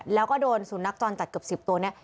แล้วก็โดนสุนัขจรจัดเกือบ๑๐ตัวเนี่ย